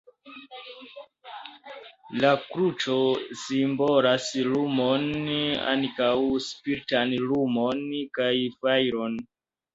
La kruco simbolas lumon, ankaŭ spiritan lumon, kaj fajron.